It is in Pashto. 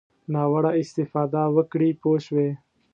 ناوړه استفاده وکړي پوه شوې!.